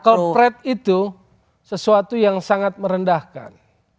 local pride itu sesuatu yang sangat merendahkan